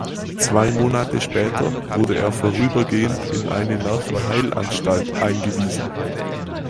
Zwei Monate später wurde er vorübergehend in eine Nervenheilanstalt eingewiesen.